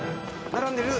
並んでる？